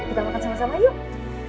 kita makan sama sama yuk